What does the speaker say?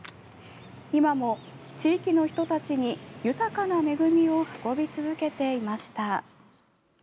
今も、地域の人たちに豊かな恵みを運び続けていました。